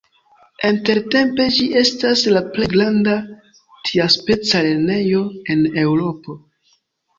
Intertempe ĝi estas la plej granda tiaspeca lernejo en Eŭropo.